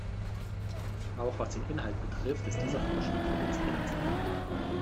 Auch was den Inhalt betrifft, ist dieser Vorschlag für uns inakzeptabel.